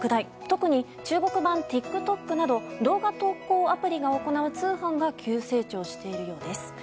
特に中国版ＴｉｋＴｏｋなど動画投稿アプリが行う通販が急成長しているようです。